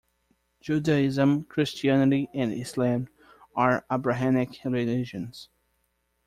Judaism, Christianity and Islam are Abrahamic religions.